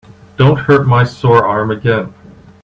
Don't hurt my sore arm again.